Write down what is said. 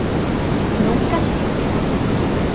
Nunca sucedera.